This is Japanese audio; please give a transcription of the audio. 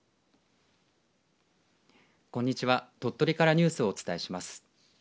こんにちは、鳥取からニュースをお伝えします。